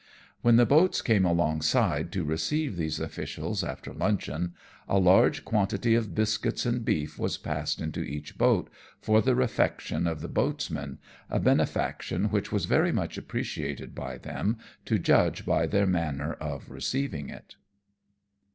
When the boats came alongside to receive these THE JAPANESE COME TO LUNCHEON. 145 officials after luncheon, a large quantit}^ of biscuits and beef was passed into each boat, for the refection of the boatsmen, a benefaction which was very much appreciated by them, to iudge by their manner of receivino: it.